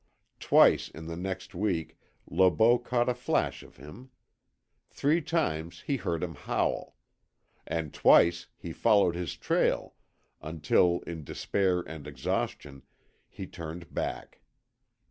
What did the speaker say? Twice in the next week Le Beau caught a flash of him. Three times he heard him howl. And twice he followed his trail until, in despair and exhaustion, he turned back.